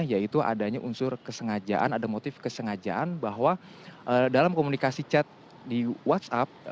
yaitu adanya unsur kesengajaan ada motif kesengajaan bahwa dalam komunikasi chat di whatsapp